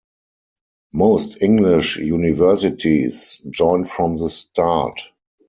Most English universities joined from the start.